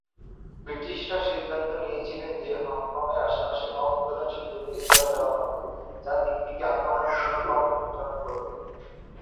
ব্রিটিশরা সিদ্ধান্ত নিয়েছিল যে হংকংয়ের আশেপাশের কম উৎপাদনশীল জমির ইজারা দেওয়া হবে, যা দ্বীপটিকে আক্রমণের জন্য কম বিপজ্জনক করবে।